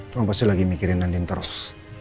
kamu pasti lagi mikirin nanti terus